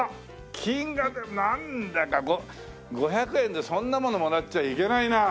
金がなんだか５００円でそんなものもらっちゃいけないな。